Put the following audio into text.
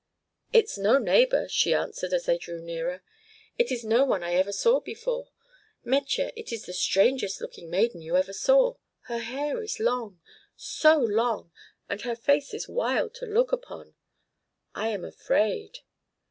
"It's no neighbor," she answered as they drew nearer. "It's no one I ever saw before. Metje, it is the strangest looking maiden you ever saw. Her hair is long, so long, and her face is wild to look upon. I am afraid."